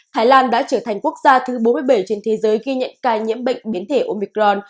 thái lan đã trở thành quốc gia thứ bốn mươi bảy trên thế giới ghi nhận ca nhiễm bệnh biến thể omicron